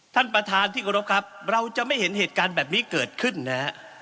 ท่านประธานที่กรบครับเราจะไม่เห็นเหตุการณ์แบบนี้เกิดขึ้นนะฮะ